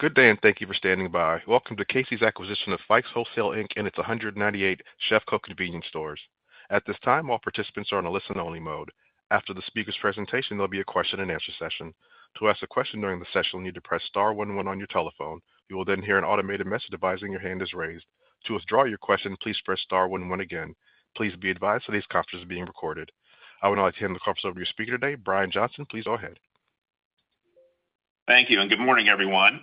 Good day, and thank you for standing by. Welcome to Casey's acquisition of Fikes Wholesale Inc, and its 198 CEFCO convenience stores. At this time, all participants are on a listen-only mode. After the speaker's presentation, there'll be a question-and-answer session. To ask a question during the session, you'll need to press star one one on your telephone. You will then hear an automated message advising your hand is raised. To withdraw your question, please press star one one again. Please be advised that this conference is being recorded. I would now like to hand the conference over to your speaker today, Brian Johnson. Please go ahead. Thank you, and good morning, everyone,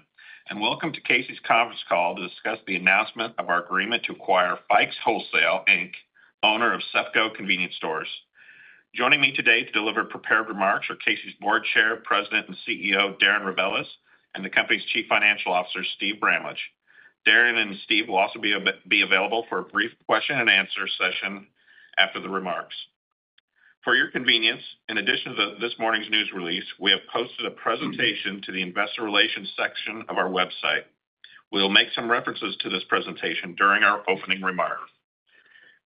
and welcome to Casey's conference call to discuss the announcement of our agreement to acquire Fikes Wholesale Inc., owner of CEFCO Convenience Stores. Joining me today to deliver prepared remarks are Casey's Board Chair, President, and CEO, Darren Rebelez, and the company's Chief Financial Officer, Steve Bramlage. Darren and Steve will also be available for a brief question-and-answer session after the remarks. For your convenience, in addition to this morning's news release, we have posted a presentation to the investor relations section of our website. We'll make some references to this presentation during our opening remarks.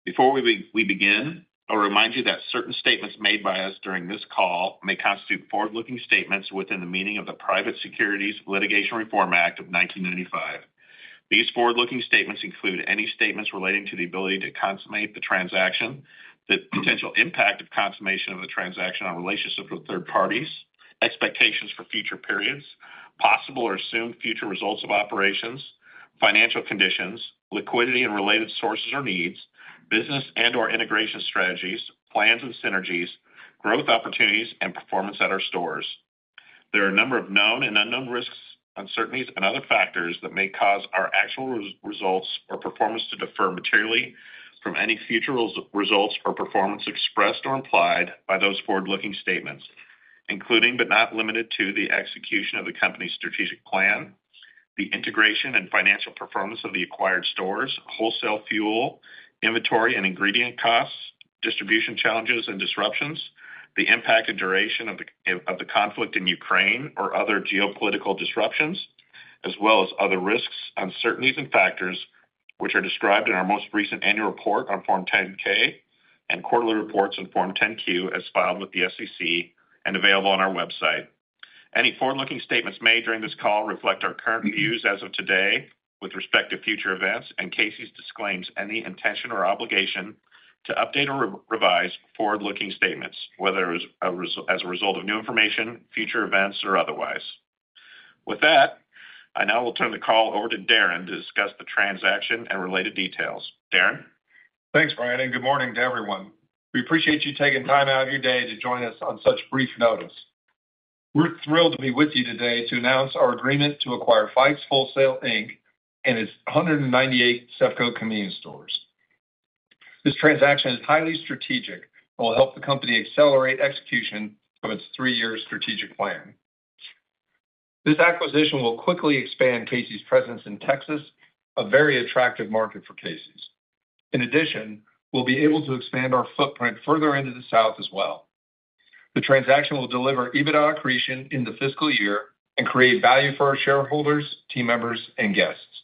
Before we begin, I'll remind you that certain statements made by us during this call may constitute forward-looking statements within the meaning of the Private Securities Litigation Reform Act of 1995. These forward-looking statements include any statements relating to the ability to consummate the transaction, the potential impact of consummation of the transaction on relationships with third parties, expectations for future periods, possible or assumed future results of operations, financial conditions, liquidity and related sources or needs, business and/or integration strategies, plans and synergies, growth opportunities, and performance at our stores. There are a number of known and unknown risks, uncertainties, and other factors that may cause our actual results or performance to differ materially from any future results or performance expressed or implied by those forward-looking statements, including but not limited to, the execution of the company's strategic plan, the integration and financial performance of the acquired stores, wholesale fuel, inventory and ingredient costs, distribution challenges and disruptions, the impact and duration of the conflict in Ukraine or other geopolitical disruptions, as well as other risks, uncertainties, and factors which are described in our most recent annual report on Form 10-K and quarterly reports on Form 10-Q, as filed with the SEC and available on our website. Any forward-looking statements made during this call reflect our current views as of today with respect to future events, and Casey's disclaims any intention or obligation to update or re-revise forward-looking statements, whether as a result of new information, future events, or otherwise. With that, I now will turn the call over to Darren to discuss the transaction and related details. Darren? Thanks, Brian, and good morning to everyone. We appreciate you taking time out of your day to join us on such brief notice. We're thrilled to be with you today to announce our agreement to acquire Fikes Wholesale Inc. and its 198 CEFCO convenience stores. This transaction is highly strategic and will help the company accelerate execution of its three-year strategic plan. This acquisition will quickly expand Casey's presence in Texas, a very attractive market for Casey's. In addition, we'll be able to expand our footprint further into the South as well. The transaction will deliver EBITDA accretion in the fiscal year and create value for our shareholders, team members, and guests.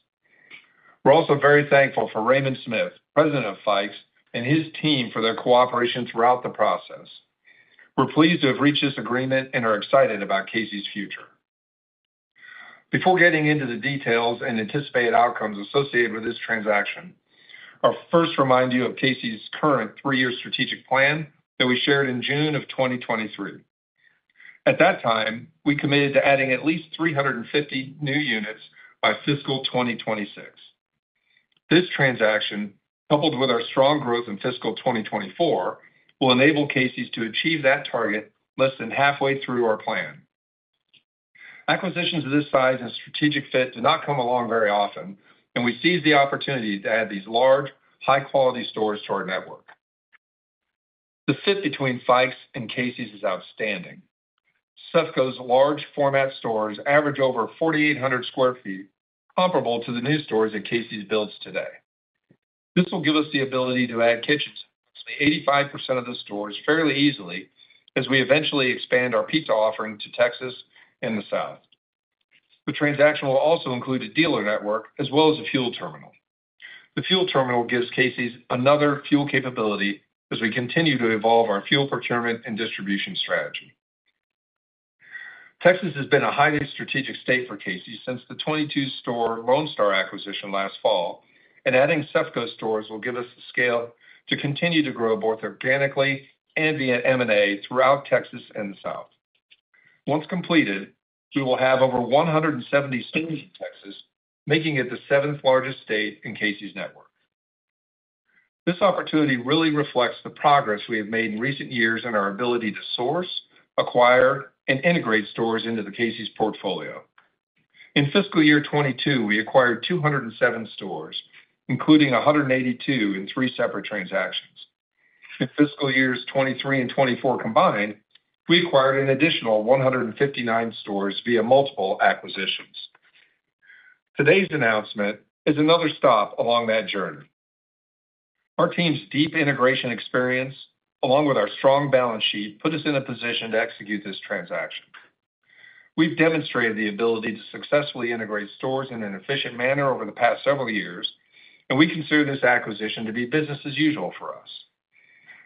We're also very thankful for Raymond Smith, President of Fikes, and his team for their cooperation throughout the process. We're pleased to have reached this agreement and are excited about Casey's future. Before getting into the details and anticipated outcomes associated with this transaction, I'll first remind you of Casey's current three-year strategic plan that we shared in June of 2023. At that time, we committed to adding at least 350 new units by fiscal 2026. This transaction, coupled with our strong growth in fiscal 2024, will enable Casey's to achieve that target less than halfway through our plan. Acquisitions of this size and strategic fit do not come along very often, and we seize the opportunity to add these large, high-quality stores to our network. The fit between Fikes' and Casey's is outstanding. CEFCO's large format stores average over 4,800 sq ft, comparable to the new stores that Casey's builds today. This will give us the ability to add kitchens to 85% of the stores fairly easily as we eventually expand our pizza offering to Texas and the South. The transaction will also include a dealer network as well as a fuel terminal. The fuel terminal gives Casey's another fuel capability as we continue to evolve our fuel procurement and distribution strategy. Texas has been a highly strategic state for Casey's since the 22-store Lone Star acquisition last fall, and adding CEFCO stores will give us the scale to continue to grow both organically and via M&A throughout Texas and the South. Once completed, we will have over 170 stores in Texas, making it the seventh largest state in Casey's network. This opportunity really reflects the progress we have made in recent years in our ability to source, acquire, and integrate stores into the Casey's portfolio. In fiscal year 2022, we acquired 207 stores, including 182 in 3 separate transactions. In fiscal years 2023 and 2024 combined, we acquired an additional 159 stores via multiple acquisitions. Today's announcement is another stop along that journey. Our team's deep integration experience, along with our strong balance sheet, put us in a position to execute this transaction. We've demonstrated the ability to successfully integrate stores in an efficient manner over the past several years, and we consider this acquisition to be business as usual for us....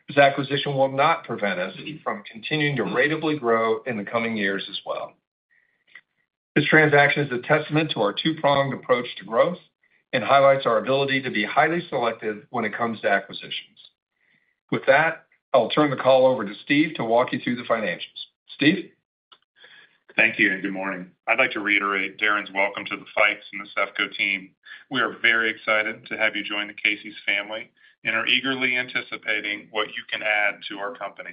This acquisition will not prevent us from continuing to ratably grow in the coming years as well. This transaction is a testament to our two-pronged approach to growth and highlights our ability to be highly selective when it comes to acquisitions. With that, I'll turn the call over to Steve to walk you through the financials. Steve? Thank you, and good morning. I'd like to reiterate Darren's welcome to the Fikes' and the CEFCO team. We are very excited to have you join the Casey's family, and are eagerly anticipating what you can add to our company.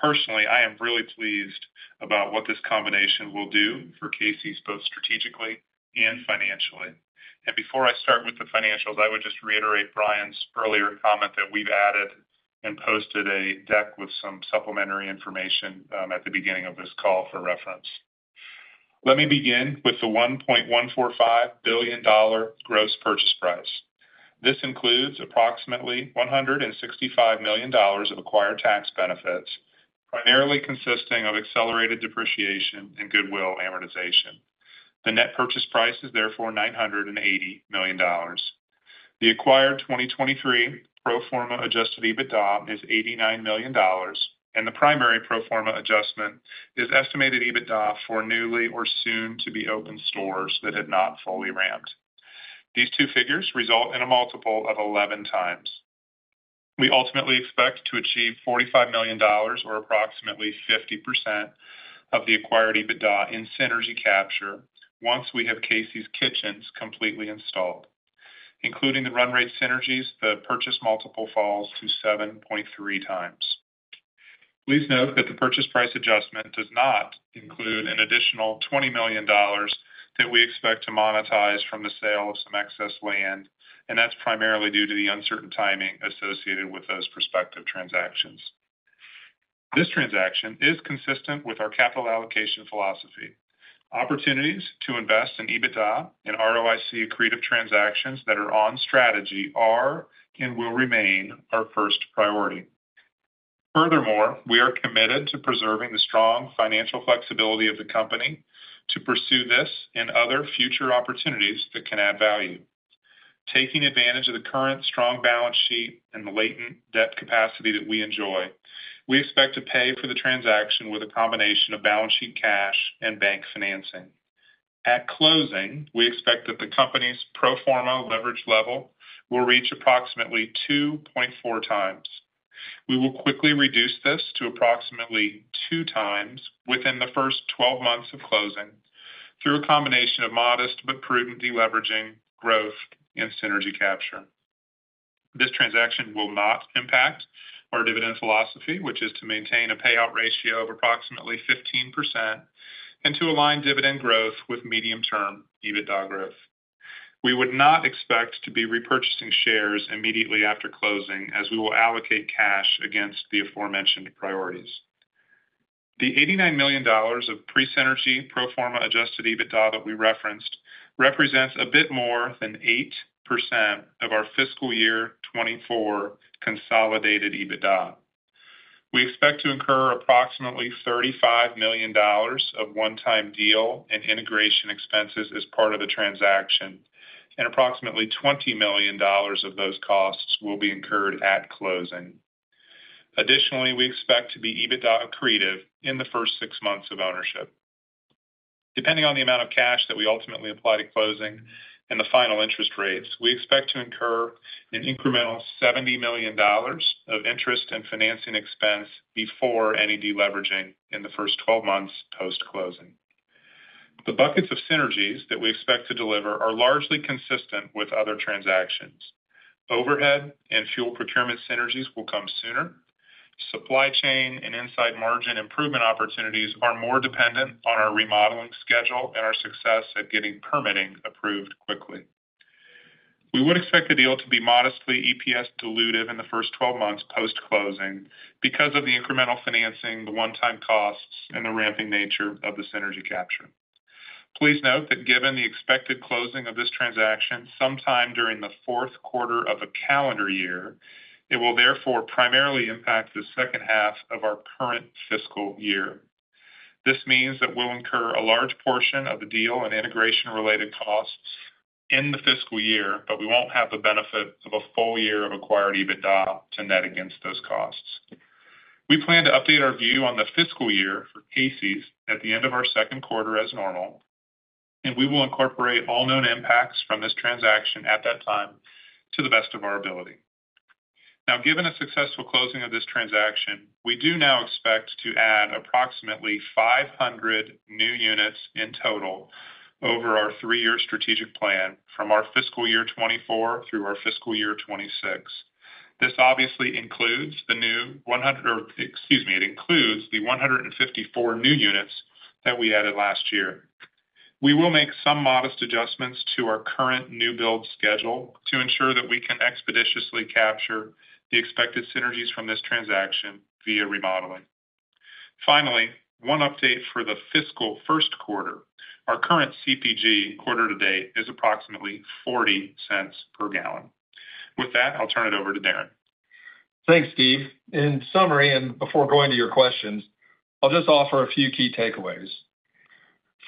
Personally, I am really pleased about what this combination will do for Casey's, both strategically and financially. Before I start with the financials, I would just reiterate Brian's earlier comment that we've added and posted a deck with some supplementary information, at the beginning of this call for reference. Let me begin with the $1.145 billion gross purchase price. This includes approximately $165 million of acquired tax benefits, primarily consisting of accelerated depreciation and goodwill amortization. The net purchase price is therefore $980 million. The acquired 2023 pro forma adjusted EBITDA is $89 million, and the primary pro forma adjustment is estimated EBITDA for newly or soon-to-be-open stores that had not fully ramped. These two figures result in a multiple of 11x. We ultimately expect to achieve $45 million or approximately 50% of the acquired EBITDA in synergy capture, once we have Casey's kitchens completely installed. Including the run rate synergies, the purchase multiple falls to 7.3x. Please note that the purchase price adjustment does not include an additional $20 million that we expect to monetize from the sale of some excess land, and that's primarily due to the uncertain timing associated with those prospective transactions. This transaction is consistent with our capital allocation philosophy. Opportunities to invest in EBITDA and ROIC accretive transactions that are on strategy are and will remain our first priority. Furthermore, we are committed to preserving the strong financial flexibility of the company to pursue this and other future opportunities that can add value. Taking advantage of the current strong balance sheet and the latent debt capacity that we enjoy, we expect to pay for the transaction with a combination of balance sheet cash and bank financing. At closing, we expect that the company's pro forma leverage level will reach approximately 2.4 times. We will quickly reduce this to approximately 2 times within the first 12 months of closing, through a combination of modest but prudent deleveraging, growth, and synergy capture. This transaction will not impact our dividend philosophy, which is to maintain a payout ratio of approximately 15% and to align dividend growth with medium-term EBITDA growth. We would not expect to be repurchasing shares immediately after closing, as we will allocate cash against the aforementioned priorities. The $89 million of pre-synergy pro forma adjusted EBITDA that we referenced represents a bit more than 8% of our fiscal year 2024 consolidated EBITDA. We expect to incur approximately $35 million of one-time deal and integration expenses as part of the transaction, and approximately $20 million of those costs will be incurred at closing. Additionally, we expect to be EBITDA accretive in the first six months of ownership. Depending on the amount of cash that we ultimately apply to closing and the final interest rates, we expect to incur an incremental $70 million of interest and financing expense before any deleveraging in the first twelve months post-closing. The buckets of synergies that we expect to deliver are largely consistent with other transactions. Overhead and fuel procurement synergies will come sooner. Supply chain and inside margin improvement opportunities are more dependent on our remodeling schedule and our success at getting permitting approved quickly. We would expect the deal to be modestly EPS dilutive in the first 12 months post-closing because of the incremental financing, the one-time costs, and the ramping nature of the synergy capture. Please note that given the expected closing of this transaction sometime during the fourth quarter of a calendar year, it will therefore primarily impact the second half of our current fiscal year. This means that we'll incur a large portion of the deal and integration-related costs in the fiscal year, but we won't have the benefit of a full year of acquired EBITDA to net against those costs. We plan to update our view on the fiscal year for Casey's at the end of our second quarter as normal, and we will incorporate all known impacts from this transaction at that time to the best of our ability. Now, given a successful closing of this transaction, we do now expect to add approximately 500 new units in total over our three-year strategic plan from our fiscal year 2024 through our fiscal year 2026. This obviously includes the new one hundred... or excuse me, it includes the 154 new units that we added last year. We will make some modest adjustments to our current new build schedule to ensure that we can expeditiously capture the expected synergies from this transaction via remodeling. Finally, one update for the fiscal first quarter. Our current CPG quarter to date is approximately $0.40 per gallon. With that, I'll turn it over to Darren. Thanks, Steve. In summary, and before going to your questions, I'll just offer a few key takeaways.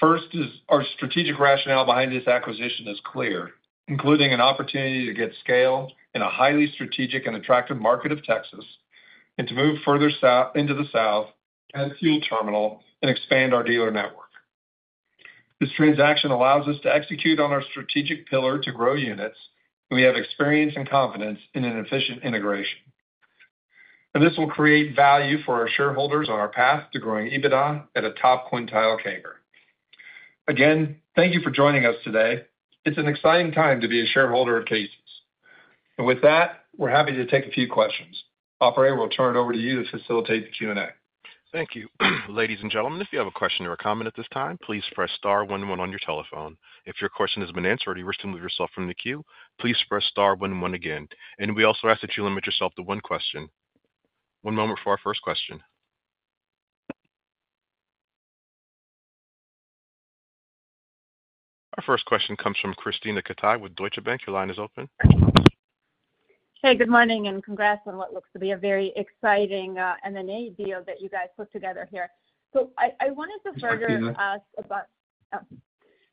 First is our strategic rationale behind this acquisition is clear, including an opportunity to get scale in a highly strategic and attractive market of Texas, and to move further south, into the South, add fuel terminal and expand our dealer network. This transaction allows us to execute on our strategic pillar to grow units, and we have experience and confidence in an efficient integration. And this will create value for our shareholders on our path to growing EBITDA at a top quintile CAGR. Again, thank you for joining us today. It's an exciting time to be a shareholder of Casey's. And with that, we're happy to take a few questions. Operator, we'll turn it over to you to facilitate the Q&A. Thank you. Ladies and gentlemen, if you have a question or a comment at this time, please press star one, one on your telephone. If your question has been answered or you wish to remove yourself from the queue, please press star one, one again. We also ask that you limit yourself to one question. One moment for our first question. Our first question comes from Krisztina Katai with Deutsche Bank. Your line is open. Hey, good morning, and congrats on what looks to be a very exciting, M&A deal that you guys put together here. So I wanted to further ask about- Hi, Krisztina. Oh,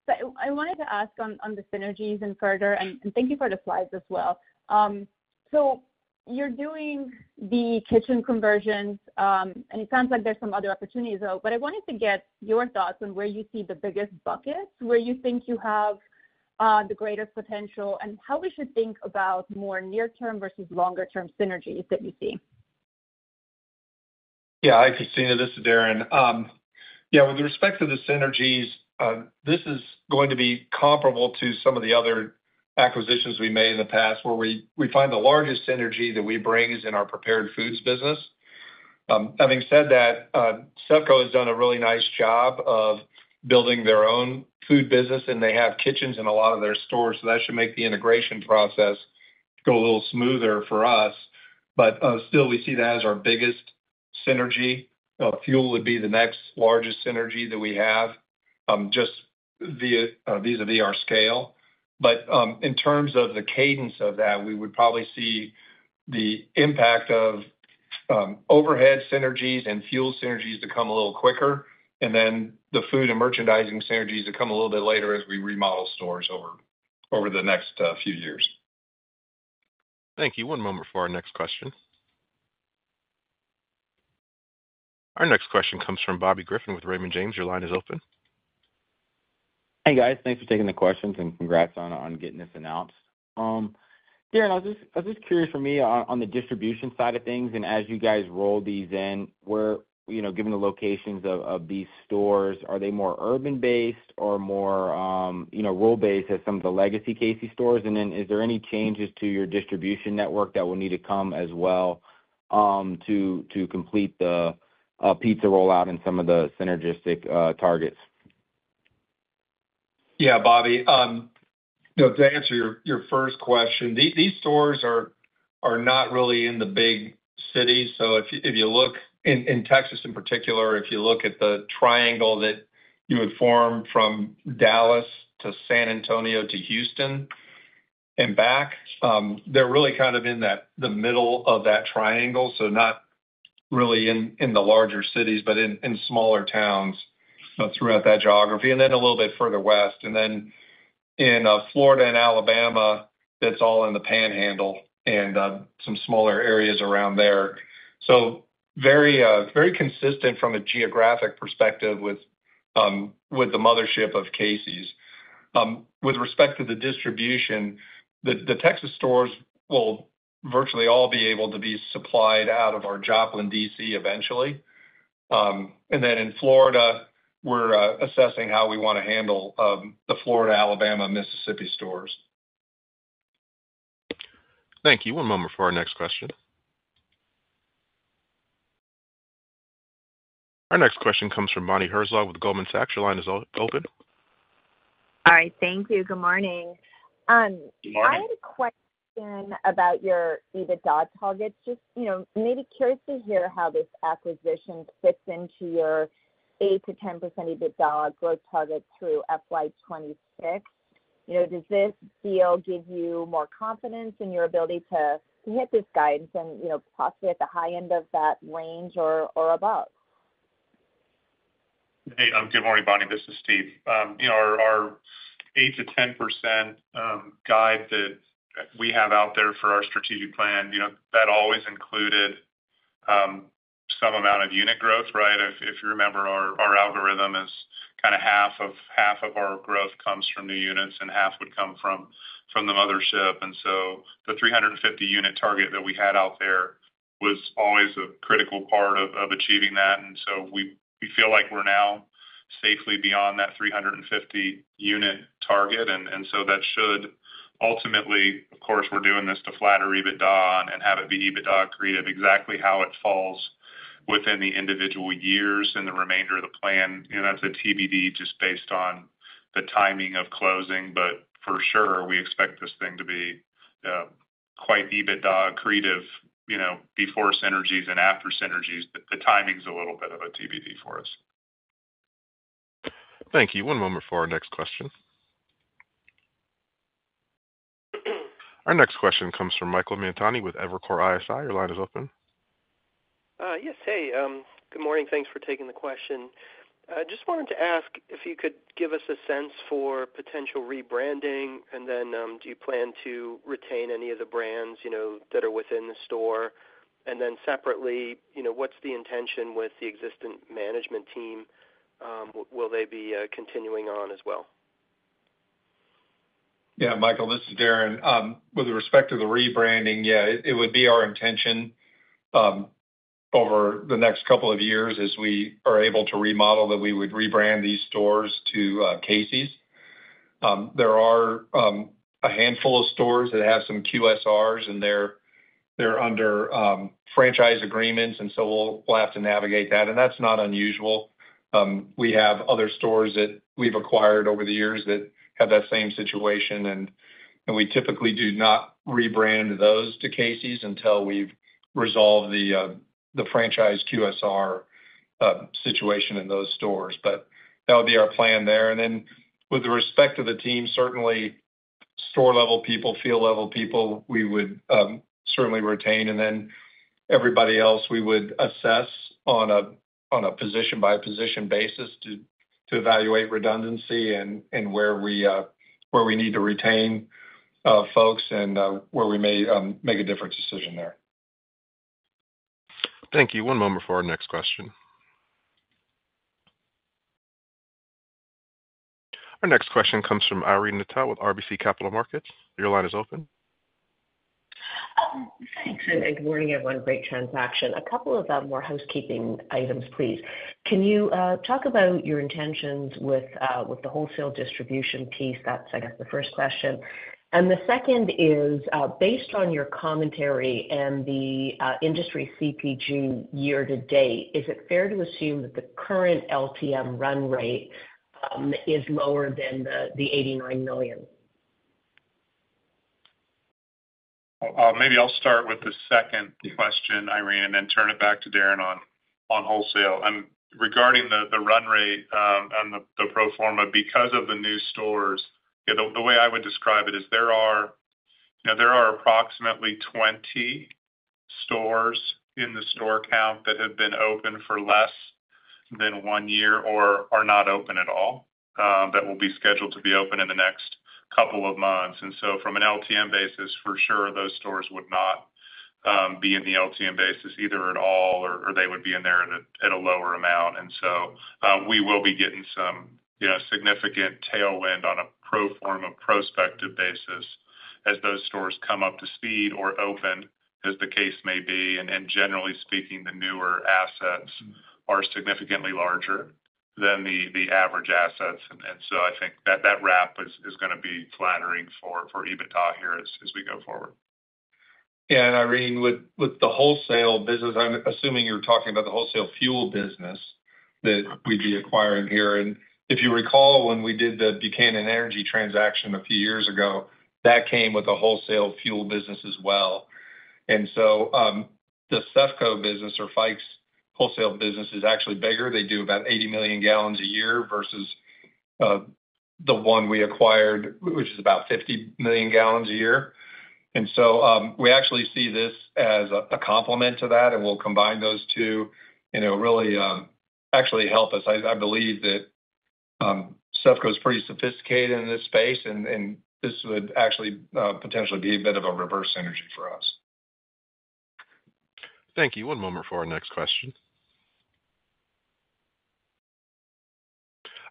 so I wanted to ask on the synergies and further, and thank you for the slides as well. So you're doing the kitchen conversions, and it sounds like there's some other opportunities, though. But I wanted to get your thoughts on where you see the biggest buckets, where you think you have the greatest potential, and how we should think about more near term versus longer term synergies that you see. Yeah. Hi, Krisztina, this is Darren. Yeah, with respect to the synergies, this is going to be comparable to some of the other acquisitions we made in the past, where we find the largest synergy that we bring is in our prepared foods business. Having said that, CEFCO has done a really nice job of building their own food business, and they have kitchens in a lot of their stores, so that should make the integration process go a little smoother for us. But, still, we see that as our biggest synergy. Fuel would be the next largest synergy that we have, just via vis-a-vis our scale. But in terms of the cadence of that, we would probably see the impact of overhead synergies and fuel synergies to come a little quicker, and then the food and merchandising synergies to come a little bit later as we remodel stores over the next few years. Thank you. One moment for our next question. Our next question comes from Bobby Griffin with Raymond James. Your line is open. Hey, guys. Thanks for taking the questions, and congrats on getting this announced. Darren, I was just curious for me on the distribution side of things, and as you guys roll these in, where—you know, given the locations of these stores, are they more urban-based or more, you know, rural-based as some of the legacy Casey's stores? And then is there any changes to your distribution network that will need to come as well, to complete the pizza rollout and some of the synergistic targets? Yeah, Bobby, you know, to answer your first question, these stores are not really in the big cities. So if you look in Texas in particular, if you look at the triangle that you would form from Dallas to San Antonio to Houston and back, they're really kind of in the middle of that triangle, so not really in the larger cities, but in smaller towns throughout that geography, and then a little bit further west. And then in Florida and Alabama, that's all in the Panhandle and some smaller areas around there. So very consistent from a geographic perspective with the mothership of Casey's. With respect to the distribution, the Texas stores will virtually all be able to be supplied out of our Joplin DC eventually. And then in Florida, we're assessing how we wanna handle the Florida, Alabama, Mississippi stores. Thank you. One moment for our next question. Our next question comes from Bonnie Herzog with Goldman Sachs. Your line is open. All right. Thank you. Good morning. Good morning. I had a question about your EBITDA targets. Just, you know, maybe curious to hear how this acquisition fits into your 8%-10% EBITDA growth target through FY 2026. You know, does this deal give you more confidence in your ability to hit this guidance and, you know, possibly at the high end of that range or, or above? Hey, good morning, Bonnie. This is Steve. You know, our 8%-10% guide that we have out there for our strategic plan, you know, that always included some amount of unit growth, right? If you remember, our algorithm is kind of half of, half of our growth comes from new units, and half would come from, from the mothership. And so the 350 unit target that we had out there was always a critical part of, of achieving that. And so we, we feel like we're now safely beyond that 350 unit target. And, and so that should ultimately... Of course, we're doing this to flatter EBITDA and have it be EBITDA accretive. Exactly how it falls within the individual years and the remainder of the plan, you know, that's a TBD just based on the timing of closing. But for sure, we expect this thing to be quite EBITDA accretive, you know, before synergies and after synergies, but the timing's a little bit of a TBD for us. Thank you. One moment for our next question.... Our next question comes from Michael Montani with Evercore ISI. Your line is open. Yes. Hey, good morning. Thanks for taking the question. I just wanted to ask if you could give us a sense for potential rebranding, and then, do you plan to retain any of the brands, you know, that are within the store? And then separately, you know, what's the intention with the existing management team? Will they be continuing on as well? Yeah, Michael, this is Darren. With respect to the rebranding, yeah, it would be our intention over the next couple of years as we are able to remodel, that we would rebrand these stores to Casey's. There are a handful of stores that have some QSRs, and they're under franchise agreements, and so we'll have to navigate that, and that's not unusual. We have other stores that we've acquired over the years that have that same situation, and we typically do not rebrand those to Casey's until we've resolved the franchise QSR situation in those stores. But that would be our plan there. With respect to the team, certainly store-level people, field-level people, we would certainly retain. And then everybody else, we would assess on a position-by-position basis to evaluate redundancy and where we need to retain folks and where we may make a different decision there. Thank you. One moment for our next question. Our next question comes from Irene Nattel with RBC Capital Markets. Your line is open. Thanks, and good morning, everyone. Great transaction. A couple of more housekeeping items, please. Can you talk about your intentions with with the wholesale distribution piece? That's, I guess, the first question. And the second is based on your commentary and the industry CPG year to date, is it fair to assume that the current LTM run rate is lower than the $89 million? Maybe I'll start with the second question, Irene, and then turn it back to Darren on wholesale. Regarding the run rate on the pro forma because of the new stores, yeah, the way I would describe it is there are—you know, there are approximately 20 stores in the store count that have been open for less than one year or are not open at all, that will be scheduled to be open in the next couple of months. And so from an LTM basis, for sure, those stores would not be in the LTM basis either at all, or they would be in there at a lower amount. And so, we will be getting some, you know, significant tailwind on a pro forma prospective basis as those stores come up to speed or open, as the case may be. And generally speaking, the newer assets are significantly larger than the average assets, and so I think that that wrap is gonna be flattering for EBITDA here as we go forward. Yeah, and Irene, with the wholesale business, I'm assuming you're talking about the wholesale fuel business that we'd be acquiring here. And if you recall, when we did the Buchanan Energy transaction a few years ago, that came with a wholesale fuel business as well. And so, the CEFCO business or Fikes wholesale business is actually bigger. They do about 80 million gallons a year versus the one we acquired, which is about 50 million gallons a year. And so, we actually see this as a complement to that, and we'll combine those two, you know, really actually help us. I believe that CEFCO is pretty sophisticated in this space, and this would actually potentially be a bit of a reverse synergy for us. Thank you. One moment for our next question.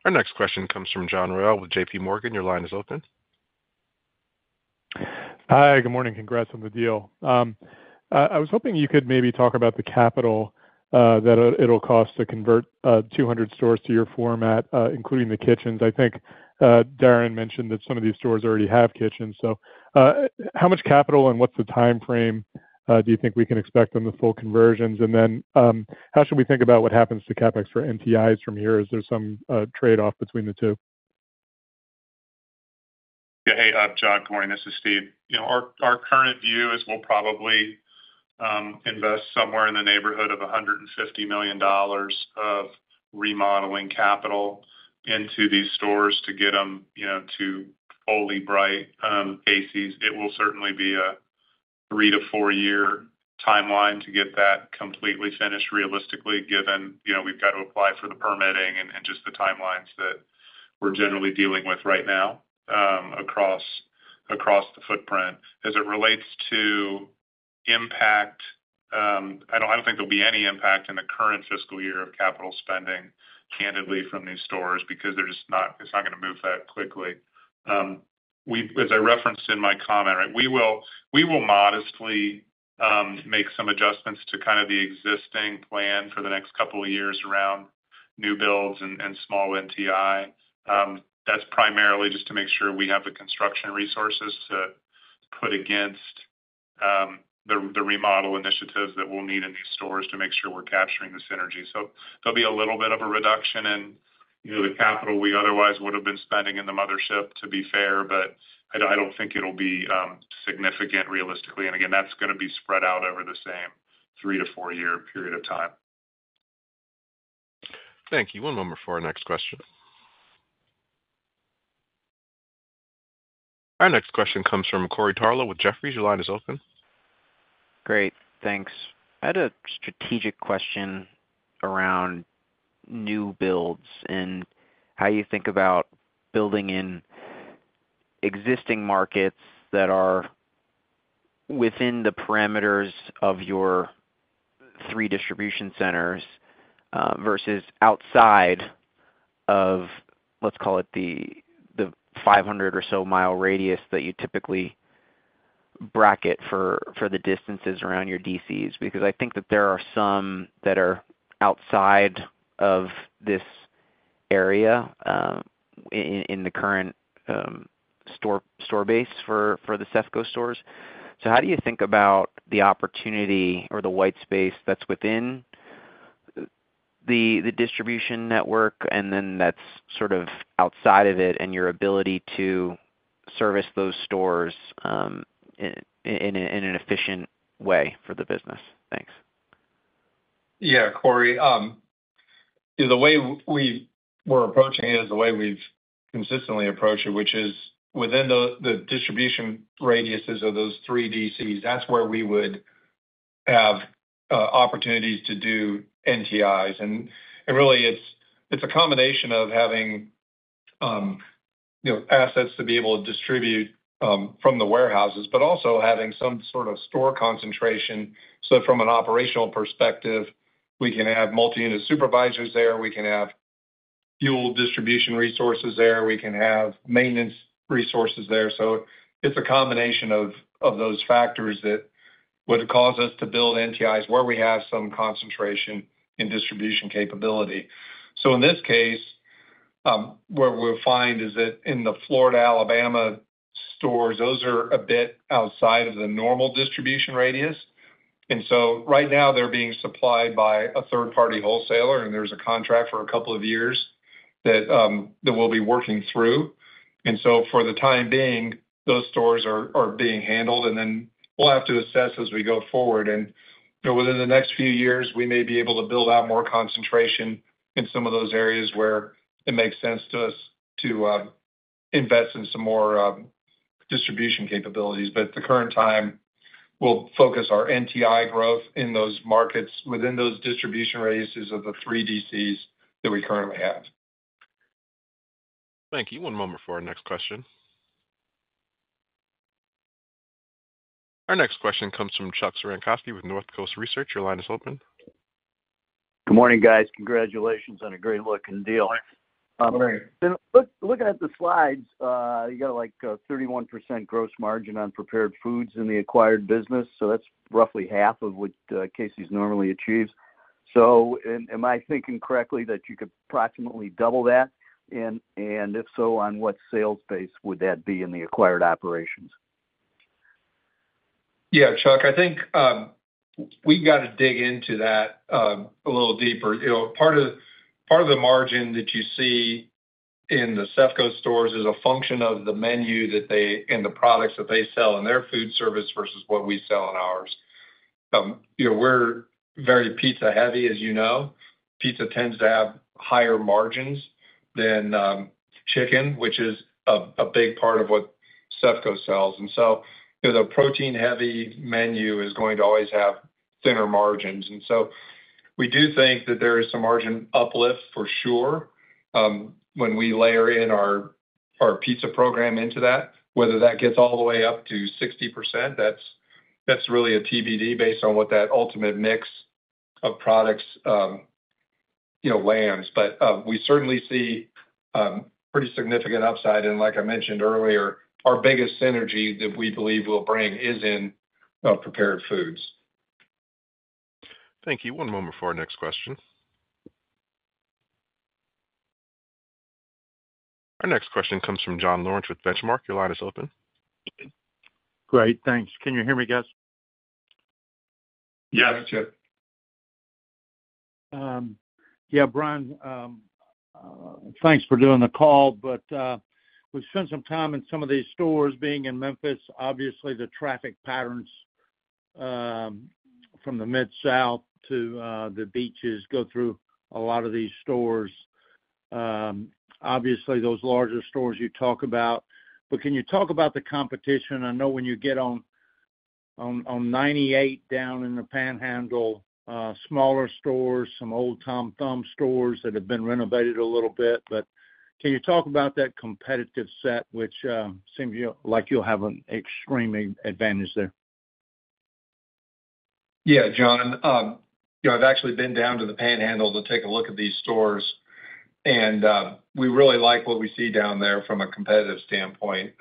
Our next question comes from John Royal with J.P. Morgan. Your line is open. Hi, good morning. Congrats on the deal. I was hoping you could maybe talk about the capital that it'll cost to convert 200 stores to your format, including the kitchens. I think Darren mentioned that some of these stores already have kitchens, so how much capital and what's the timeframe do you think we can expect on the full conversions? And then how should we think about what happens to CapEx for NTIs from here? Is there some trade-off between the two? Yeah. Hey, John, good morning. This is Steve. You know, our current view is we'll probably invest somewhere in the neighborhood of $150 million of remodeling capital into these stores to get them, you know, to fully bright Casey's. It will certainly be a 3- to 4-year timeline to get that completely finished, realistically, given, you know, we've got to apply for the permitting and just the timelines that we're generally dealing with right now across the footprint. As it relates to impact, I don't think there'll be any impact in the current fiscal year of capital spending, candidly, from these stores, because they're just not—It's not gonna move that quickly. As I referenced in my comment, right, we will, we will modestly make some adjustments to kind of the existing plan for the next couple of years around new builds and, and small NTI. That's primarily just to make sure we have the construction resources to put against the, the remodel initiatives that we'll need in these stores to make sure we're capturing the synergy. So there'll be a little bit of a reduction in, you know, the capital we otherwise would have been spending in the mothership, to be fair, but I don't, I don't think it'll be significant, realistically. And again, that's gonna be spread out over the same 3-4-year period of time. Thank you. One moment before our next question. Our next question comes from Corey Tarlow with Jefferies. Your line is open. Great, thanks. I had a strategic question around new builds and how you think about building in existing markets that are within the parameters of your three distribution centers, versus outside of, let's call it, the 500 or so mile radius that you typically bracket for the distances around your DCs. Because I think that there are some that are outside of this area, in the current store base for the CEFCO stores. So how do you think about the opportunity or the white space that's within the distribution network, and then that's sort of outside of it, and your ability to service those stores, in an efficient way for the business? Thanks. Yeah, Corey. The way we're approaching it is the way we've consistently approached it, which is within the distribution radiuses of those three DCs, that's where we would have opportunities to do NTIs. And really, it's a combination of having, you know, assets to be able to distribute from the warehouses, but also having some sort of store concentration. So from an operational perspective, we can have multi-unit supervisors there, we can have fuel distribution resources there, we can have maintenance resources there. So it's a combination of those factors that would cause us to build NTIs, where we have some concentration in distribution capability. So in this case, what we'll find is that in the Florida, Alabama stores, those are a bit outside of the normal distribution radius. Right now, they're being supplied by a third-party wholesaler, and there's a contract for a couple of years that we'll be working through. For the time being, those stores are being handled, and then we'll have to assess as we go forward. You know, within the next few years, we may be able to build out more concentration in some of those areas where it makes sense to us to invest in some more distribution capabilities. But at the current time, we'll focus our NTI growth in those markets within those distribution radiuses of the three DCs that we currently have. Thank you. One moment for our next question. Our next question comes from Chuck Cerankosky with North Coast Research. Your line is open. Good morning, guys. Congratulations on a great looking deal. Good morning. Looking at the slides, you got, like, a 31% gross margin on prepared foods in the acquired business, so that's roughly half of what Casey's normally achieves. So am I thinking correctly that you could approximately double that? And if so, on what sales base would that be in the acquired operations? Yeah, Chuck, I think, we got to dig into that, a little deeper. You know, part of, part of the margin that you see in the CEFCO stores is a function of the menu that they... and the products that they sell in their food service versus what we sell in ours. You know, we're very pizza heavy, as you know. Pizza tends to have higher margins than, chicken, which is a big part of what CEFCO sells. And so, you know, the protein-heavy menu is going to always have thinner margins. And so we do think that there is some margin uplift for sure, when we layer in our pizza program into that. Whether that gets all the way up to 60%, that's really a TBD based on what that ultimate mix of products, you know, lands. But, we certainly see pretty significant upside, and like I mentioned earlier, our biggest synergy that we believe we'll bring is in prepared foods. Thank you. One moment before our next question. Our next question comes from John Lawrence with Benchmark. Your line is open. Great, thanks. Can you hear me, guys? Yeah, that's it. Yeah, Brian, thanks for doing the call, but we've spent some time in some of these stores, being in Memphis. Obviously, the traffic patterns from the Mid-South to the beaches go through a lot of these stores. Obviously, those larger stores you talk about, but can you talk about the competition? I know when you get on 98 down in the Panhandle, smaller stores, some old Tom Thumb stores that have been renovated a little bit, but can you talk about that competitive set, which seems like you'll have an extreme advantage there? Yeah, John. You know, I've actually been down to the Panhandle to take a look at these stores, and we really like what we see down there from a competitive standpoint.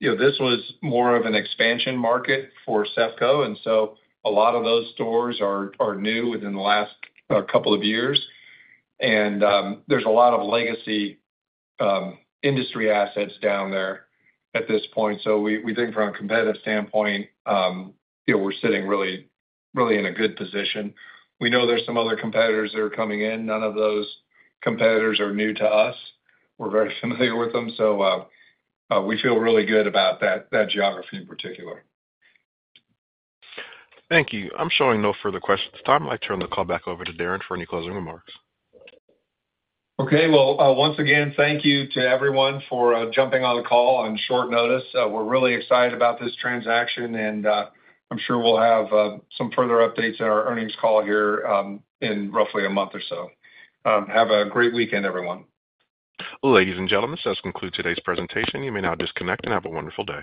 You know, this was more of an expansion market for CEFCO, and so a lot of those stores are new within the last couple of years. And there's a lot of legacy industry assets down there at this point. So we think from a competitive standpoint, you know, we're sitting really, really in a good position. We know there's some other competitors that are coming in. None of those competitors are new to us. We're very familiar with them, so we feel really good about that geography in particular. Thank you. I'm showing no further questions. At this time, I turn the call back over to Darren for any closing remarks. Okay. Well, once again, thank you to everyone for jumping on the call on short notice. We're really excited about this transaction, and I'm sure we'll have some further updates in our earnings call here, in roughly a month or so. Have a great weekend, everyone. Ladies and gentlemen, this concludes today's presentation. You may now disconnect and have a wonderful day.